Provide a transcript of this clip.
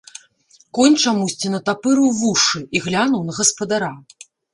Конь чамусьці натапырыў вушы і глянуў на гаспадара.